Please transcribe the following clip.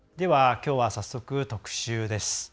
きょうは早速特集です。